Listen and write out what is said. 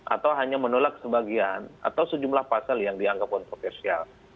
atau hanya menolak sebagian atau sejumlah pasal yang dianggap kontrokesial